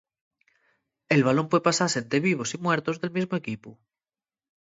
El balón pue pasase ente vivos y muertos del mesmu equipu.